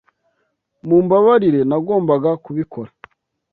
Mumbabarire nagombaga kubikora